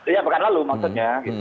ya pekan lalu maksudnya